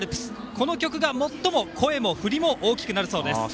この曲が最も声も振りも大きくなるそうです。